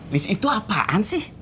list itu apaan sih